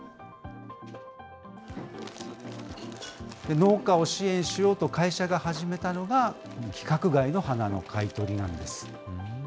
農家を支援しようと会社が始めたのが、規格外の花の買い取りなんです。